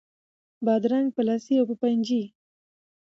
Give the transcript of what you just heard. بادرنګ په لسي او په پنجي